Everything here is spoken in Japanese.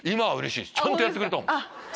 ちゃんとやってくれたもん。